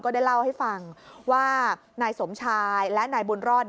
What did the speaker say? ได้เล่าให้ฟังว่านายสมชายและนายบุญรอด